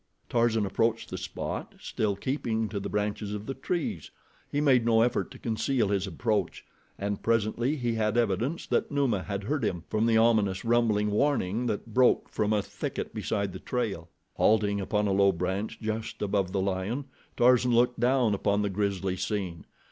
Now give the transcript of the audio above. Tarzan approached the spot, still keeping to the branches of the trees. He made no effort to conceal his approach, and presently he had evidence that Numa had heard him, from the ominous, rumbling warning that broke from a thicket beside the trail. Halting upon a low branch just above the lion Tarzan looked down upon the grisly scene.